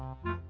awas loh duduk